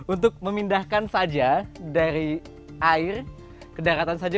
untuk memindahkan saja dari air ke daratan saja